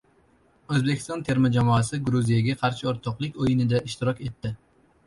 O‘zbekiston terma jamoasi Gruziyaga qarshi o‘rtoqlik o‘yinida ishtirok etdi